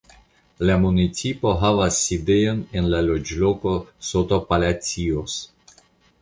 La municipo havas sidejon en la loĝloko Sotopalacios.